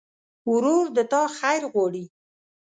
ورور د تا خیر غواړي.